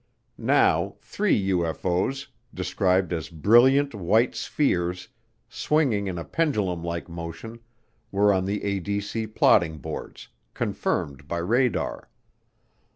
Now, three UFO's, described as brilliant white spheres, swinging in a pendulum like motion, were on the ADC plotting boards confirmed by radar.